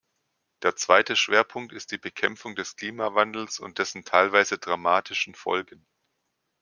Der zweite Schwerpunkt ist die Bekämpfung des Klimawandels und dessen teilweise dramatischen Folgen.